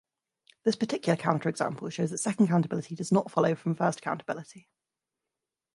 This particular counterexample shows that second-countability does not follow from first-countability.